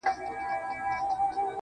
د زنده باد د مردباد په هديره كي پراته.